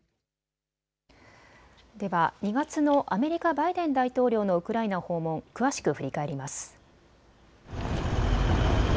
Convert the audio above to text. では２月のアメリカバイデン大統領のウクライナ訪問、詳しく振り返ります。